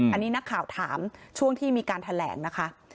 อันนี้นักข่าวถามช่วงที่มีการแถลงนะคะ